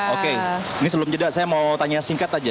oke ini sebelum jeda saya mau tanya singkat aja